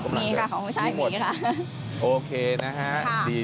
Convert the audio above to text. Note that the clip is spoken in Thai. มีของผู้ชายมีค่ะ